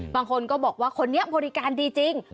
บางคนก็บอกว่าคนนี้บริการดีจริง